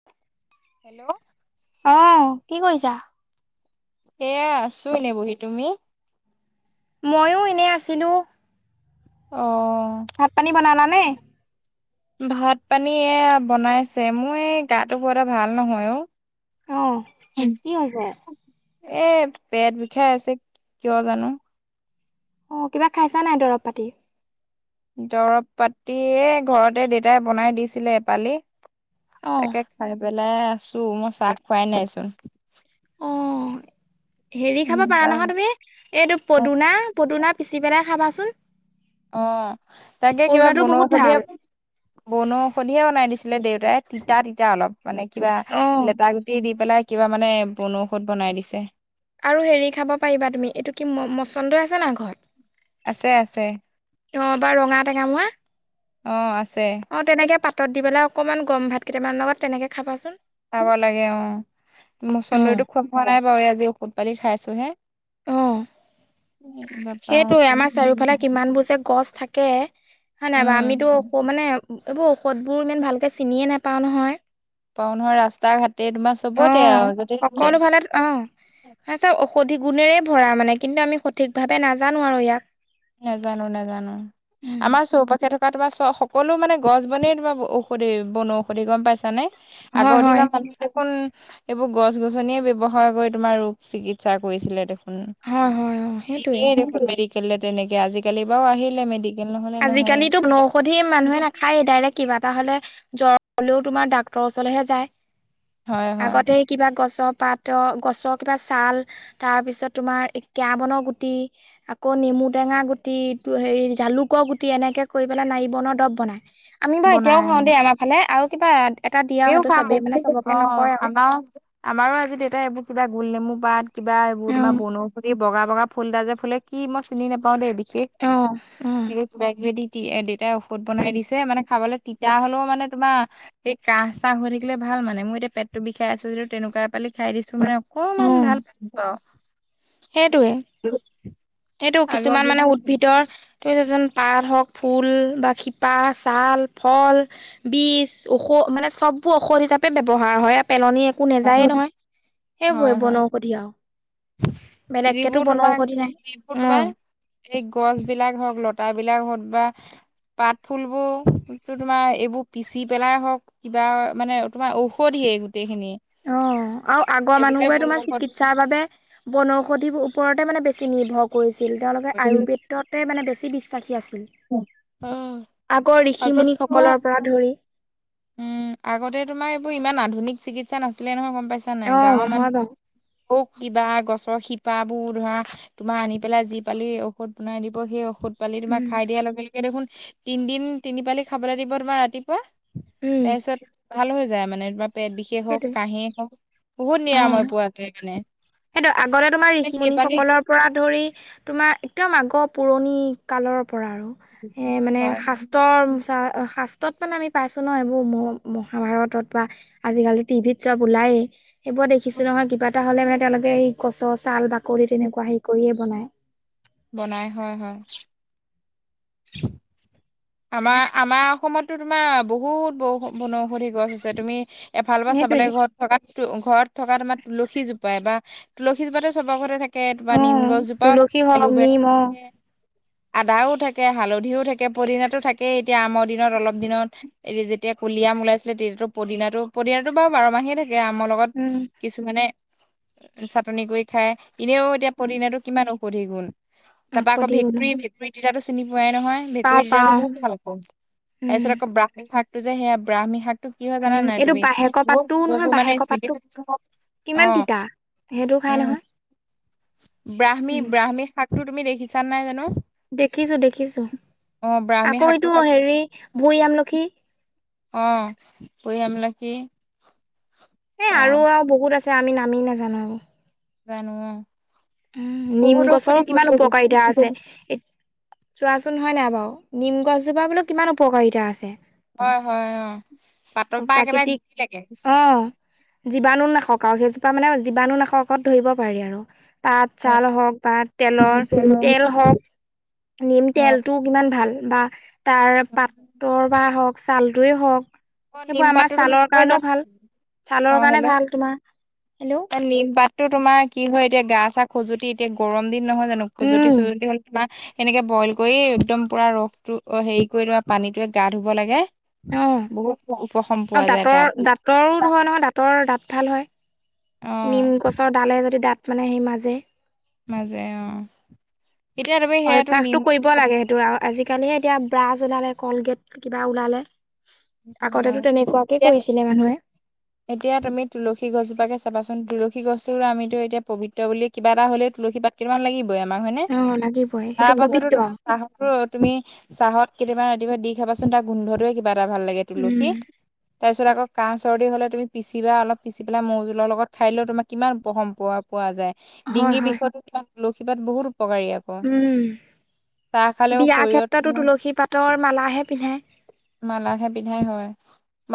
[inaudible] Hello, অ, কি কৰিছা? এয়া আছোঁ এনে বহি তুমি? ময়ো এনে আছিলোঁ। অ', ভাত-পানী বনালা নে? ভাত-পানী এ বনাইছে। মই এই গাটো বৰ এটা ভাল নহয় অ। অ, কি হৈছে? এ পেট বিষাই আছে কিয় জানো? অ, কিবা খাইছা নাই দৰৱ পাতি? দৰৱ পাতিয়ে ঘৰতে দেতাই বনাই দিছিলে এপালি অ তাকে খাই পেলাই আছো, মই চাহ খোৱাই নাইচোন। অ হেৰি খাব পাৰা নহয় তুমি। এইটো অ পদুনা, পদুনা পিচি পেলাই খাবাচোন। অ, তাকে কিবা পদুনাটো বহুত বনৌষধিহে ভাল বনৌষধিহে বনাই দিছিলে দেউ দে তিতা তিতা অলপ মানে কিবা অ লেটা গুটি দি পেলাই কিবা মানে বনৌষধ বনাই দিছে। আৰু হেৰি খাব পাৰিবা তুমি। এইটো কি ম মচন্দই আছে নাই ঘৰত? আছে, আছে। অ বা ৰঙা টেঙামৰা। অ, আছে। অ, তেনেকে পাতত দি পেলাই অকমান গৰম ভাত কেইটামান লগত তেনেকৈ খাবাচোন। খাব লাগে অ। অ মচন্দৰীতো খোৱা হোৱা নাই বাৰু। আজি ঔষধপালি খাইছো হে। অ তাৰপা সেইটোৱে। তোমাৰ আমাৰ চাৰিওফালে কিমানবোৰ যে গছ থাকে। হয় নাই বাও আমিতো উম ঔষধ মানে এইবোৰ ঔষধবোৰ ইমান ভালকৈ চিনিয়ে নাপাওঁ নহয়। পাওঁ নহয় ৰাস্তা-ঘাটে তোমাৰ অ চবতে আৰু য'তে ত'তে সকলো ফালে, অ। হয় চব ঔষধি গুণেৰে ভৰা মানে কিন্তু আমি সঠিকভাৱে নাজানো আৰু ইয়াক। নাজানো, নাজানো। উম, আমাৰ চৌপাশে থক থকা তোমাৰ চব সকলো মানে গছ বনেই তোমাৰ ঔষধি বনঔষধি গম পাইছা নে? হয় আগৰ হয় দিনা মানে দেখোন এইবোৰ গছ-গছনিয়ে ব্যৱহাৰ কৰি তোমাৰ ৰোগ চিকিৎসা কৰিছিলে দেখোন। হয় হয় অ সেইটোৱে নিনিয়েই দেখোন মেডিকেললে তেনেকে। আজি-কালি বাও আহিলে মেডি আজি-কালিটো বনৌষধি মানুহে নাখায়েই ডাইৰেক কিবা এটা হলে জ্বৰ হ'লেও তোমাৰ ডাক্তৰৰ ওচৰলৈহে যায়। হয় হয় আগতে কিবা গছৰ পাত অ গছৰ কিবা ছাল তাৰ পিছত তোমাৰ এ কেৰা বনৰ গুটি আকৌ নেমু টেঙা গুটি টো হেৰি জালুক ক গুটি এনেকে কৰি পেলাই নাৰি বনৰ দৰৱ বনায়। আমি বাৰু এতিয়াও বনাই অ খাওঁ দেই আমাৰ ফালে আৰু কিবা এটা দিয়ে আৰু আমিও সেইটো খাও চবেই মানে [unintelligible] চবকে অ নকয় আৰু আমাৰো আমাৰো আজি দেতাই এইবোৰ কিবা গুল নেমু পাত কিবা এইবোৰ তোমাৰ বনৌষধি বগা বগা ফুল এটা যে ফুলে কি মই চিনি নাপাওঁ দেই বিশেষ। অহ অ। ধেই কিবা কিবি দি টি দেতাই ঔষধ বনাই দিছে মানে খাবলৈ তিতা হ'লেও মানে তোমাৰ সেই কাঁহ-চাহ হৈ থাকিলে ভাল মানে। মই এতিয়া পেটটো বিষাই আছে যদিও তেনেকুৱা এপালি খাই দিছো মানে অকমান উম ভাল, অ। সেইটোৱে, সেইটো আগৰ কিছুমান মানে দিনত উদ্ভিদৰ ত এজন পাত হওক, ফুল বা শিপা ছাল ফল বীজ, ঔষ মানে চববোৰ ঔষধ হিচাপে ব্যৱহাৰ হয়। এ পেলনী একো নেযায়ে নহয়। হয় সেইবোৰে হয় বনৌষধি আও। যিবোৰ তোমাৰ নাই যিবোৰ অ', তোমাৰ এই গছ বিলাক হওক, লতা বিলাক হত বা পাত ফুলবোৰ টো তোমাৰ এইবোৰ পিচি পেলাই হওক কিবা মানে তোমাৰ ঔষধিয়ে গোটেইখিনি। অ আৰু আগৰ সেইবোৰকে মানুহবোৰে তোমাৰ বনৌষধ চিকিৎসাৰ বাবে বনৌষধি ওপৰতে মানে বেছি নিৰ্ভৰ কৰিছিল। তেওঁলোকে আয়ুৰ্বেদ তে মানে বেছি বিশ্বাসী আছিল। অ', আগৰ আগত ঋষি-মুনি তোমাৰ সকলৰ পৰা ধৰি উম, আগতে তোমাৰ এইবোৰ ইমান আধুনিক চিকিৎসা নাছিলে নহয়, গম পাইছা নাই? অ', গাঁৱৰ হয় বাৰু মানুহ হৌ কিবা গছৰ শিপাবোৰ ধৰা তোমাৰ আনি পেলাই যি পালি ঔষধ বনাই দিব। সেই ঔষ ঔষধ পালি তোমাক উম, খাই দিয়াৰ লগে লগে দেখোন তিনিদিন তিনি পালি খাবলৈ দিব তোমাৰ ৰাতিপুৱা উম, তাইছত ভাল হৈ যায় মানে তোমাপ- পেট বিষে হওক, সেইটোৱে কাহেই হওক, বহুত অ', নিৰাময় পোৱা যায় মানে। সেইটো আগতে তোমাৰ মানে ঋষি মুুনি সেইপালি সকলৰ পৰা ধৰি তোমাৰ একদম আগৰ পুৰণি কালৰ পৰা আৰু এ মানে হয়। শাস্ত্ৰৰ মিছা শাস তত মানে আমি পাইছো ন এইবোৰ মহাভাৰতত বা আজিকালি টিভিত চব ওলাইয়ে। সেইবোৰ দেখিছে নহয় কিবা এটা হলে মানে তেওঁলোকে সেই গছৰ ছাল বাকলি তেনেকুৱা হেৰি কৰিয়ে বনায়। বনাই হয় হয়। [unintelligible] আমাৰ আমাৰ অসমতো তোমাৰ বহুত বৌ বনৌষধি গছ আছে তুমি এফালৰ পৰা চাব সেইটোৱে লাগে ঘৰত থকা ঘৰত থকা তোমাৰ তুলসী জোপাই বা তুলসী জোপা চবৰ ঘৰতে থাকে। অ কে নিম গছজোপাও তুলসী থাকে হওক এলোবেৰাও নিম অ থাকে। আদাও থাকে হালধিও থাকে পদিনা টো থাকেই এতিয়া আমাৰ দিনত অলপ দিনত এ যেতিয়া কলি আম ওলাইছিলে তেতিয়াতো পদিনাতো পদিনাতো বাৰ বাৰ মাহে থাক- তেতিয়া আমৰ লগত উম কিছুমানে চাটনি কৰি খাই। এনেও এতিয়া পদিনাটো কিমান ঔষধি গুণ, তাৰ পৰা আকৌ ঔষধি গুণ ভেকুৰী ভেঁকুৰী তিতাতো চিনি পোৱাই নহয়। ভেঁকুৰী পাওঁ তিতাতো পাওঁ বহুত ভাল আকৌ তাৰ উম পিছত আকৌ ব্ৰাহ্মী শাক টো যে সেয়া ব্ৰাহ্মী শাক- টো কি হয় জানা উম নাই এইটো তুমি বাহেকৰ পাতটোও নহয় [unintelligible] মানে বাহেকৰ স্মৃতি পাতটো কিমান তিতা সেইটো খাই উম নহয়। ব্ৰাহ্মী উম ব্ৰাহ্মী শাকটো তুমি দেখিছা নাই জানোঁ? দেখিছো দেখিছো ব্ৰাহ্মী আকৌ শাকটো এইটো হেৰি ভুই খালে আমলখি অ ভুই আমলখি। এ আৰু আৰু বহুত আছে আমি নামেই নাজানোং। জানো অ। উ নিম বহুত ঔষধি গছৰো গুণ কিমান উপকাৰিতা আছে। এইবোৰ। চোৱাচোন হয় নাই বাৰু নিম গছজোপা বোলো কিমান উপকাৰিতা আছে। হয় হয় অ পাটৰ পৰা একেবাৰে গুই লৈকে। জিবাণু নাখক আৰু সেইজোপা মানে জিবাণু নাখকত ধৰিব পাৰি আৰু। পাত চাল হওক বা তেলৰ তেল হওক নিম হয় তেলটো কিমান ভাল বা তাৰ পাতৰ বা হওক ছালটোৱে হওক অ নিম সেইবোৰ আমাৰ পাতটো তুমি কি ছালৰ হয় কাৰণেও ভাল। জানা ছালৰ কাৰণে ভাল তোমাৰ, হেল্ল' নিমপাততো তোমাৰ কি হয় এতিয়া গা চা খজুতি এতিয়া গৰম দিন নহয় জানো খজুতি উম খুজুতি হ- তোমা সেনেকে বইল কৰি একদম পুৰা ৰসটো হেৰি কৰি লোৱা পানীটোৱে গা ধুব লাগে। অ বহুত উপশম আৰু পোৱা যায় দাঁতৰ দাঁতৰো তা ধৰে নহয় দাঁতৰ দাঁত অহ। তালে যদি দাঁত মানে সেই মাজে মাজে অ এতিয়া তুমি সেয়াতো নিম অভ্যাসটো কৰিব লাগে সেইটো আৰু আজিকালিহে এতিয়া ব্ৰাছ ওলালে কলগেট কিবা ওলালে। হয় আগতেতো তেনেকুৱাকে এতিয়া কৰিছিলে মানুহে এতিয়া তুমি তুলসী গছজোপাকে চাবাচোন তুলসী গছটো আমিতো এতিয়া পবিত্ৰ বুলি কিবা এটা হলে তুলসী পাত কেইটান লাগিবই আমাক হয়নে, অ লাগিবই হাহ সেইটো বছটো পবিত্ৰ তোমাৰ হা- তুমি চাহত কেতিয়াবা ৰাতি পোৱা দি খাবাচোন তাৰ গোন্ধটোৱে কিবা এটা ভাল লাগে তুলসী উম তাৰ পিছত আকৌ কাহ চৰ্দি হলে তুমি পিচিবা অলপ পিচি পেলাই মৌ জোৰ লগ খাই দিলেও তোমাৰ কিমান উপশম পোৱা। পোৱা যায় হয় ডিঙিৰ হয় বিষয়তো তোমাৰ তুলসীপাত বহুত উপকাৰী আকৌ চাহ উম খালেও বিয়া শৰীৰত ক্ষেত্ৰতো তুলসী পাতৰ মালাহে পিন্ধাই। মালাহে পিন্ধাই হয়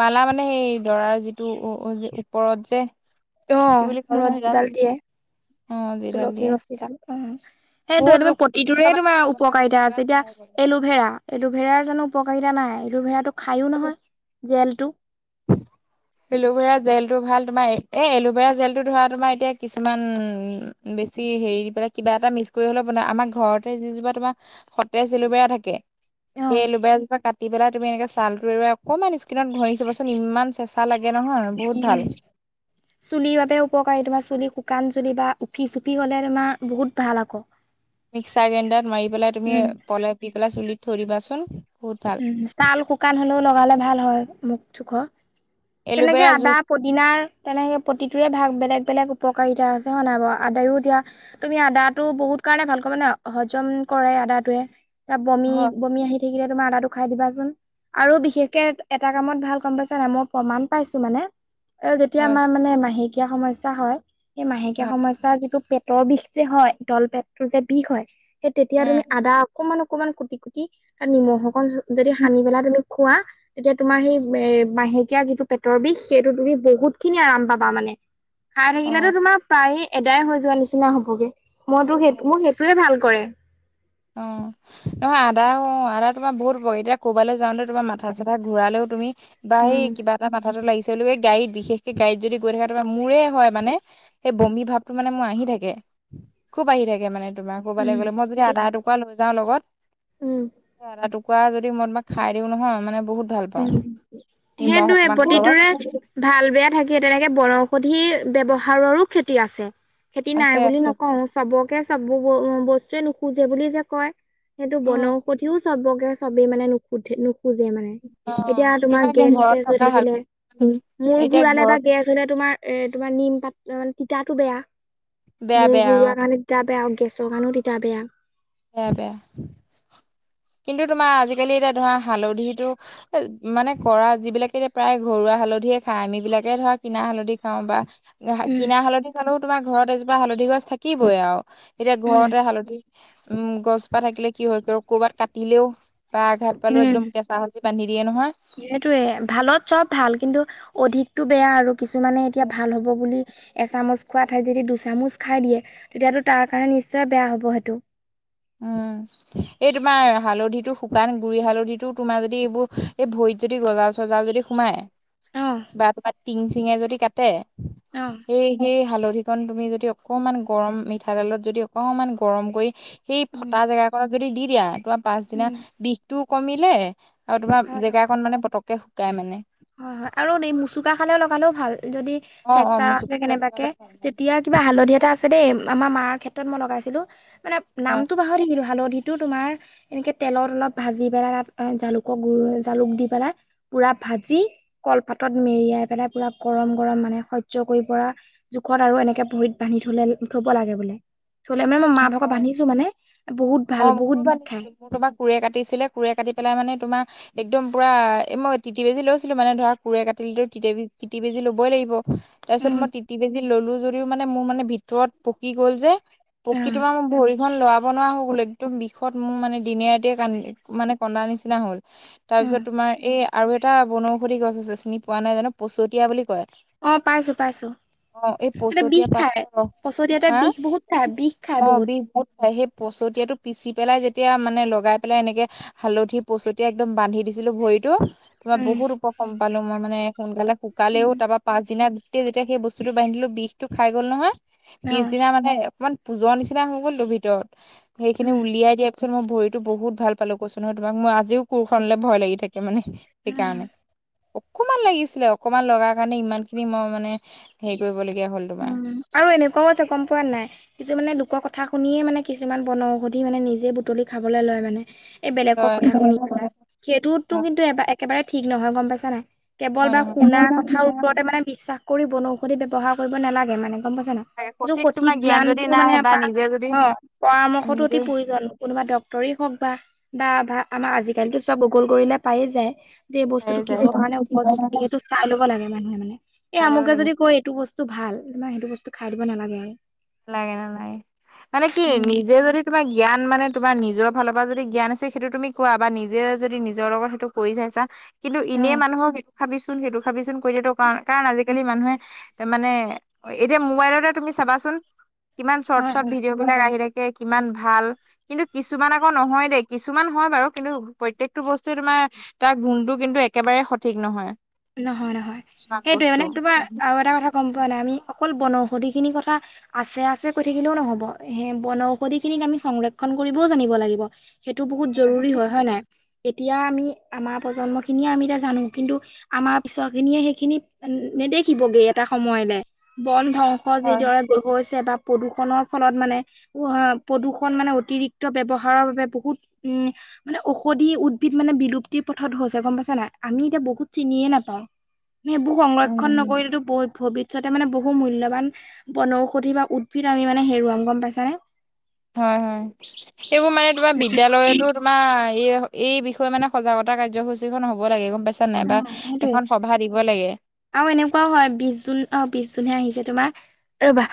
মালা মানে সেই দৰাৰ যিটো ও ও ওপৰত যে অ কি বুলি কয় জানো মূৰত সেইডাল যিডাল দিয়ে অ যিডাল তুলসী দিয়ে ৰছীডাল অ, সেইটো বহুত তুমি ৰোগ প্ৰতিটোৰে প্ৰতিৰোধ মানে তোমাৰ ক্ষমতা বৃদ্ধি উপকাৰিতা কৰাত আছে। এতিয়া সহায় কৰে। এলোভেৰা এলোভেৰাৰ জানো উপকাৰিতা নাই, এলোভেৰাটো খায়ো নহয় জেলটো। এলোভেৰা জেলটো ভাল তোমাৰ এ এলোভেৰা জেলটো ধৰা তোমাৰ এতিয়া কিছুমান বেছি হেৰি পেলাই কিবা এটা মিছ কৰি হ'লে বনাই আমাৰ ঘৰতে যিজোপা তোমাৰ সতেজ এলোবেৰা থাকে অ সেই এলোবেৰাজোপা কাটি পেলাই তুমি এনেকে ছালটো এৰুৱাই অকনমান স্কিনত ঘঁহি চাবচোন ইমান চে চা লাগে নহয় আৰু উম চুলিৰ বাবে উপকাৰী তোমাৰ চুলি শুকান চুলি বা উফি চুপি হলে তোমাৰ বহুত ভাল আক [inaudible] মিক্সাৰ গ্ৰাইণ্ডাৰত মাৰি পেলাই তুমি পলেপ দি পেলাই চুলিত থৈ দিবাচোন বহুত ভাল উম ছাল শুকান হলেও লগালে ভাল হয় মূখ চোখ তেনেকে এল'ভেৰা আদা জুচ পদিনাৰ তেনেকে প্ৰতিটোৰে ভাগ বেলেগ বেলেগ উপকাৰীতা আছে হয় নাই বাও আদাৰো এতিয়া তুমি আদাটো বহুত কাৰণে ভালকৈ মানে হজম কৰে আদাটোৱে ত বমি হয় বমি আহি থাকিলে তোমাৰ আদাটো খাই দিবাচোন আৰু বিশেষকে এটা কামত ভাল গম পাইছা নাই মই প্ৰমাণ পাইছো মানে এ যেতিয়া হয় আমাৰ মানে মাহেকীয়া সমস্যা হয় এই মাহেকীয়া হয় সমস্যাৰ যিটো পেটৰ বিষ যে হয় তল পেটতোৰ যে বিষ হয় সেই তেতিয়া তুমি উম আদা অকমান অকমান কুটি কুটি তাত নিমখ অকন যদি সানি পেলাই তুমি খোৱা তেতিয়া তোমাৰ সেই এ মাহে কিয়া যিটো পেটৰ বিষ সেইটো তুমি বহুত খিনি আৰাম পাবা মানে খাই অ থাকিলেতো তোমাৰ প্ৰায়েই এদায় হৈ যোৱা নিচিনা হবগে মইতো অ সেই মোৰ সেইটোৱে ভাল কৰে অ নহয় আদা অ আদা তোমাৰ বহুত উপকাৰী এতিয়া ক'ৰবালে যাওতে তোমাৰ মাথা চাথা ঘূৰালেও তুমি বা এই উম কিবা এটা মাথাটো লাগিছে বুলি কৈ এই গাড়ীত বিশেষ সেই গাড়ীত যদি গৈ থাকে তাৰমানে মোৰে হয় মানে সেই বমি ভাৱটো মানে মোৰ আহি থাকে খুব আহি থাকে মানে তোমাক কবালৈ উম গ'লে মই যদি আধা এটুকুৰা লৈ যাও লগত উম আদা টু কুৰা যদি মই তোমাক খাই দিও নহয় মানে বহুত ভাল উ পাওঁ নিমখ সেইটোৱে অকমানৰ লগত। প্ৰতিটোৰে ভাল বেয়া থাকে তেনেকে বনৌষধিৰ ব্যৱহাৰৰো ক্ষতি আছে ক্ষতি নাই আছে বুলি আছে নকওঁ চবকে চব বস্তুৱে নোসোজে বুলি যে কয় সেইটো অ', বনৌঔষধিও চবকে চবেই মানে নুখোধে নোসোজে মানে এতিয়া তোমাৰ এতিয়া গেছ ঘৰত চেজ হৈ থকা হাল থাকিলে মূৰ এতিয়া ঘূৰালে বা ঘৰত গেছ আচলতে তোমাৰ এ তোমাৰ নিম পাত অ তিতাটো বেয়া বেয়া মোৰ বেয়া অ', ঘূৰুৱা কাৰণে তিতা বেয়া গেছৰ কাৰণেও তিতা বেয়া বেয়া বেয়া কিন্তু তোমাৰ আজিকালি এতিয়া ধৰা হালধিটো এ মানে কৰা যিবিলাকে এতিয়া প্ৰায় ঘৰুৱা হালধিয়ে খায় আম বিলাকে ধৰা কিনা হালধি খাও বা উম কিনা হালধি খালেও তোমাৰ ঘৰত এজোপা হালধি গছ থাকিবই আও এতিয়া উম ঘৰতে হালধি উম গছজোপা থাকিলে কি হয় কৰবাত কাটিলেও বা আঘাত পালেও উম। একদম কেঁচা হা লধি বান্ধি দিয়ে নহয় সেইটোৱে ভালত চব ভাল কিন্তু অধিকতো বেয়া আৰু কিছুমানে এতিয়া ভাল হ'ব বুলি এচামুচ খোৱা ঠাইত যদি দুচামুচ খাই দিয়ে তেতিয়াতো তাৰ কাৰণে নিশ্চয় বেয়া হ'ব সেইটো উম [inaudible] এই তোমাৰ হালধিতো শুকান গুৰি হালধিতো তোমাৰ যদি এইবোৰ এই ভৰিত যদি গজাল চজাল যদি সোমাই অ', বা তোমাৰ টিং চিঙে যদি কাটে অ', সেই- সেই হালধিকন তুমি যদি অকমান গৰম মিঠাতেলত যদি অকমান গৰম কৰি- সেই ফটা উম, জেগা কনত যদি দি দিয়া তোমাৰ পাছদিনা বিষটোও কমিলে আৰু তোমাৰ হয়। জেগা কন মানে পতককে শুকাই মানে। হয় হয় আৰু এই মুচুকা খালেও লগালেও ভাল, যদি অ অ ফ্ৰেকচাৰ মোৰ আছে চকুৰ ফালে লগালে কেনেবাকে। ভাল হয় তেতিয়া কিবা হালধিয়া এটা আছে দেই, আমাৰ মাৰ ক্ষেত্ৰত মই লগাইছিলো মানে হয় নামতো পাহৰি থাকিলো হালধি তো তোমাৰ এনেকে তেলত অলপ ভাজি পেলাই তাত জালুকৰ গুড়ি জালুক দি পেলাই পুৰা ভাজি কলপাতত মেৰিয়াই পেলাই পুৰা গৰম গৰম মানে সহ্য কৰি পৰা জোখত আৰু এনেকে ভৰিত বান্ধি থলে থব লাগে বোলে থ'লে মানে মই মা ভাগৰ হয়। বান্ধিছো মানে বহুত ভাল অ বহুত মোৰো বিষ খাই বান্ধিছিলো। মোৰ তোমাৰ কোৰে কাটিছিলে কোৰে কাটি পেলাই মানে তোমাৰ একদম পুৰা এ মই তিতি বেজী লৈছিলো মানে ধৰা কোৰে কাটিলেটো তিতি বেজ তিতি বেজি ল'বই লাগিব। তাৰপিছত উম মই তিতি বেজি ল'লো যদিও মানে মোৰ মানে ভিতৰত পকি গ'ল যে। অ পকি তোমাৰ মোৰ ভৰিখন লৰাব নোৱাৰা হৈ গলোঁ। একদম বিষত মোৰ মানে দিনে ৰাতিয়ে কান্দি মানে কন্দা নিচিনা হ'ল অ তাৰপিছত তোমাৰ এই আৰু এটা বনৌষধি গছ আছে চিনি পোৱা নাই জানো পচতীয়া বুলি কয়। অঁ পাইছোঁ পাইছোঁ। অ এই এতে বিষ পচতীয়া খায়, পাতৰ ৰস পচতীয়াটোৱে হা বিষ বহুত খায়, বিষ খায় বহুত। পচতীয়া টো পিচি পেলাই যেতিয়া মানে লগাই পেলাই এনেকে হালধি পচতীয়া একদম বান্ধি দিছিলোঁ ভৰিটো তোমাৰ উম, বহুত উপষম পালোঁ। মই মানে সোনকালে শুকালেও উম, তাৰপৰা পাছদিনা তেতিয়া যেতিয়া সেই বস্তুটো বান্ধি দিলোঁ বিষটো খাই গ'ল নহয় অ পিছদিনা মানে অকমান পোজৰ নিচিনা হৈ গ'ল তো ভিতৰত, সেইখিনি উম, উলিয়াই দিয়া পিছত মই ভৰিটো বহুত ভাল পালোঁ কৈছোঁ নহয় তোমাক মই আজিও কোৰ খনলে ভয় লাগি থাকে। থাকে মানে উম। সেইকাৰণে। অকমান লাগিছিলে। অকমান লগাৰ কাৰণে ইমান খিনি মই মানে হেৰী কৰিব লগীয়া হ'ল। তোমাৰ উম আৰু এনেকুৱাও আছে গম পোৱা নাই? যে মানে লোকৰ কথা শুনিয়ে মানে কিছুমান বনৌষধি মানে নিজে বুটলি খাবলে লয় মানে। এই বেলেগৰ হয় কথা শুনি পেলাই। সেইটোতো কিন্তু এ একেবাৰে ঠিক নহয় গম পাইছা নাই? কেৱল বা নহয় শুনা কথাৰ নহয় ওপৰতে মানে বিশ্বাস কৰি বনৌষধি ব্যৱহাৰ কৰিব নালাগে মানে গম পাইছা নাই? এইটো সঠিক তোমাৰ জ্ঞান যদি জ্ঞানটো নাই মানে বা নিজে যদি অঁ পৰামৰ্শটো নিজে অতি প্ৰয়োজন। কোনোবা ডক্তৰে হওঁক বা বা বা আমাৰ আজিকালিটো চব গুগোল কৰিলে পায়েই যায়। যে এই বস্তুটো হেৰি যায় কিহৰ কাৰণে উপযোগী সেইটো চাই ল'ব লাগে মানুহে মানে, এই চাই ল'ব আমুকে লাগে যদি কয় এইটো বস্তু বস্তু ভাল তোমাৰ সেইটো বস্তু খাই দিব নালাগে আৰু। নালাগে নালাগে। মানে কি উম নিজে যদি তোমাৰ জ্ঞান মানে তোমাৰ নিজৰ ফালৰ পৰা যদি জ্ঞান আছে সেইটো তুমি কোৱা বা নিজে যদি নিজৰ লগত সেইটো কৰি চাইছা কিন্তু অ এনেই মানুহক এইটো খাবিচোন সেইটো খাবিচোন কৈ দিয়াটো কাৰণ কাৰণ আজি আজিকালি মানুহে মানে এতিয়া মোবাইলতে তুমি চাবাচোন কিমান চৰ্ট হয় চৰ্ট হয় ভিডিঅ' বিলাক আহি থাকে কিমান ভাল। কিন্তু কিছুমান আকৌ নহয় দেই কিছুমান হয় বাৰু কিন্তু প্ৰত্যেকটো বস্তুৱে তোমাৰ তাৰ গুণটো কিন্তু একেবাৰে সঠিক নহয়। নহয় নহয়। কিছুমান সেইটোৱে বস্তু। মানে তোমাৰ আৰু এটা কথা গম পোৱা নাই? আমি অকল বনৌষধি খিনি কথা আছে আছে কৈ থাকিলেও নহ'ব। সেই বনৌষধি খিনিক আমি সংৰক্ষণ কৰিবও জানিব লাগিব। সেইটো বহুত জৰুৰী হয়। হয় নাই? এতিয়া আমি আমাৰ প্ৰজন্ম খিনিয়ে আমি এতিয়া জানো কিন্তু আমাৰ পিছৰ খিনিয়ে সেইখিনি নেদেখিবগে এটা সময়লে বন ভও হয় যিদৰে হৈছে বা প্ৰদূষণৰ ফলত মানে উম হা প্ৰদূষণ মানে অতিৰিক্ত ব্যৱহাৰৰ বাবে বহুত উম মানে ঔষধি উদ্ভিদ মানে বিলুপ্তিৰ পথত হৈছে গম পাইছা নাই? আমি এতিয়া বহুত চিনিয়ে নাপাওঁ। আমি সেইবোৰ সংৰক্ষণ উম নকৰিলেটো বহ ভবিষ্যত ভবিষ্যতে মানে বহু মূল্যবান বনৌষধি বা উদ্ভিদ আমি মানে হেৰুৱাম গম পাইছানে? হয় হয় সেইবোৰ মানে তোমাৰ বিদ্যালয়টো আমাৰ এই এই বিষয়ে মানে সজাগতা কাৰ্যসূচী খন হ'ব লাগে গম পাইছা পাইছা নাই বা সেইটোয়ে এখন সভা দিব লাগে। আৰু এনেকুৱাও হয় বিছ জুন অ বিছ জুনহে আহিছে তোমাৰ ৰবা।